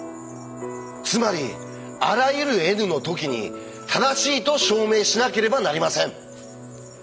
つまりあらゆるｎの時に正しいと証明しなければなりません。